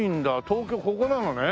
東京ここなのね。